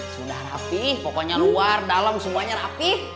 sudah rapih pokoknya luar dalam semuanya rapih